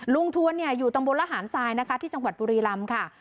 ลุงทวนเนี่ยอยู่ตรงบนระหารทรายนะคะที่จังหวัดปุรีรัมพ์ค่ะ